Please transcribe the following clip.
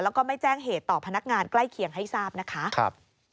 แล้วก็ไม่แจ้งเหตุต่อพนักงานใกล้เคียงให้ทราบนะคะ